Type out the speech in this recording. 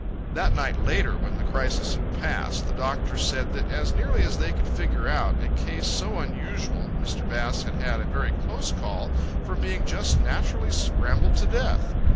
That night later when the crisis had passed the doctors said that as nearly as they could figure out a case so unusual, Mr. Bass had had a very close call from being just naturally scrambled to death.